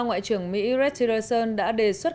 ngoại trưởng mỹ red tillerson đã đề xuất